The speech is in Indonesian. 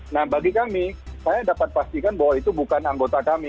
nah bagi kami saya dapat pastikan bahwa itu bukan anggota kami